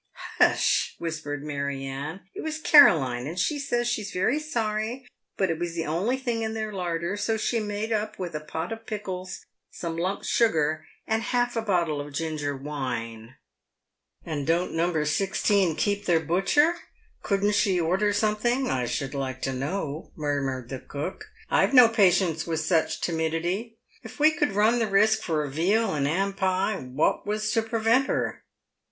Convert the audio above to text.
" Hush !" whispered Mary Anne. " It was Caroline ; and she says she's very sorry, but it was the only thing in their larder, so she made up with a pot of pickles, some lump sugar, and half a.bottle of ginger 146 PAVED WITH GOLD. " And don't No. 36 keep their butcher ? Couldn't she order some thing, I should like to know," murmured the cook ?" I've no patience with such timidity. If we could run the risk for a veal and 'am pie, what was to prevent her."